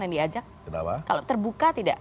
yang diajak kenapa kalau terbuka tidak